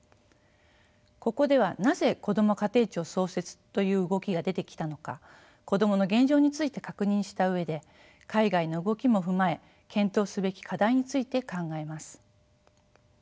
ここではなぜこども家庭庁創設という動きが出てきたのか子どもの現状について確認した上で海外の動きも踏まえ検討すべき課題について考えます。